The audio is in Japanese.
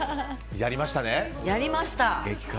やりました。